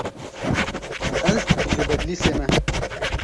Ez ji Bedlîsê me.